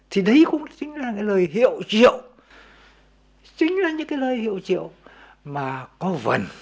thì đấy cũng chính là lời hiệu triệu chính là những cái lời hiệu triệu mà có vần